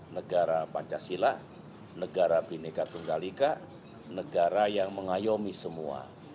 negara pancasila negara bhinneka tunggal ika negara yang mengayomi semua